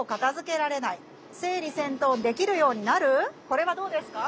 これはどうですか？